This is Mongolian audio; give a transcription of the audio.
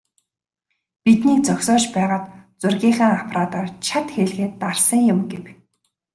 "Биднийг зогсоож байгаад зургийнхаа аппаратаар чад хийлгээд дарсан юм" гэв.